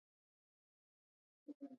زما سات نه تیریژی.